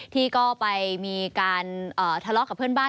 ที่ก็ไปมีการทะเลาะกับเพื่อนบ้าน